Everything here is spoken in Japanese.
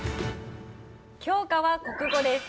教科は国語です。